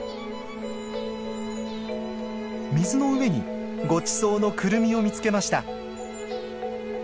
水の上にごちそうのクルミを見つけました。